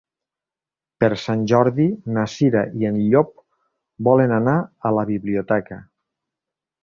Per Sant Jordi na Cira i en Llop volen anar a la biblioteca.